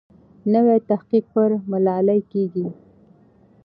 نوی تحقیق پر ملالۍ کېږي.